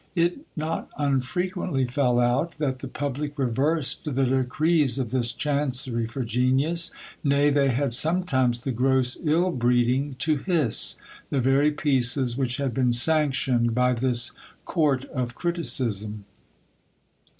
It not unfrequently fell out, that the public reversed the decrees of this chancery for genius : nay, they had sometimes the gross ill breeding to hiss the very pieces which had been sanctioned by this court of criticism.